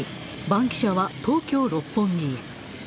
バンキシャは東京・六本木へ。